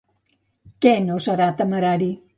Què no serà temerari?